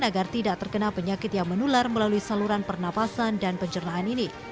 agar tidak terkena penyakit yang menular melalui saluran pernafasan dan pencernaan ini